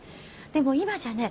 でも今じゃね